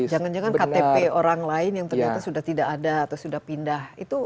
jangan jangan ktp orang lain yang ternyata sudah tidak ada atau sudah pindah